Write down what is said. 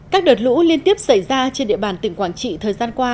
các đợt lũ liên tiếp xảy ra trên địa bàn tỉnh quảng trị thời gian qua